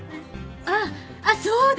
あっあっそうだ